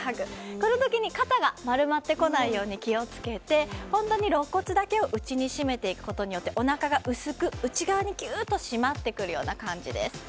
この時に肩が丸まってこないように気を付けて本当に肋骨だけを内に締めていくことでおなかが薄く、内側に締まってくるような感じです。